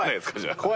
怖い。